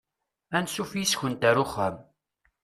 Ansuf yes-kent ar uxxam.